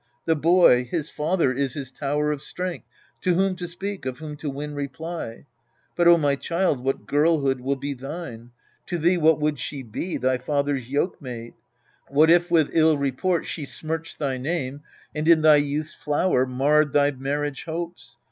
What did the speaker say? The boy his father is his tower of strength To whom to speak, of whom to win reply : But, O my child, what girlhood will be thine ? To thee what would she be, thy father's yoke mate? What if with ill report she smirched thy name, And in thy youth's flower marred thy marriage hopes